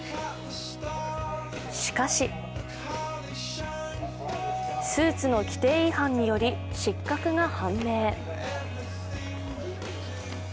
しかしスーツの規定違反により失格が判明。